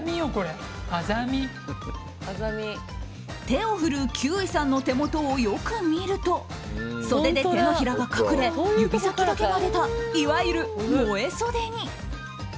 手を振る休井さんの手元をよく見ると袖で手のひらが隠れ指先だけが出たいわゆる萌え袖に。